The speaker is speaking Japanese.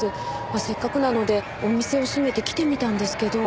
せっかくなのでお店を閉めて来てみたんですけど。